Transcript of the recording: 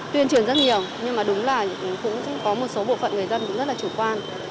tuyên truyền rất nhiều nhưng mà đúng là cũng có một số bộ phận người dân cũng rất là chủ quan